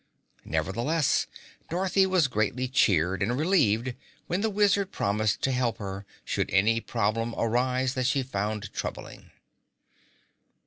Nevertheless, Dorothy was greatly cheered and relieved when the Wizard promised to help her, should any problem arise that she found troubling.